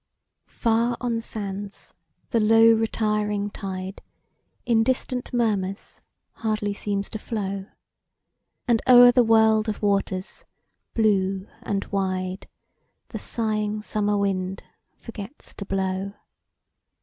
FAR on the sands, the low, retiring tide, In distant murmurs hardly seems to flow; And o'er the world of waters, blue and wide, The sighing summer wind forgets to blow.